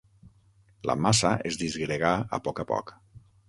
La massa es disgregà a poc a poc.